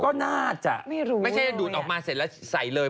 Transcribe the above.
ก็น่าจะไม่รู้ไม่ใช่ดูดออกมาเสร็จแล้วใส่เลย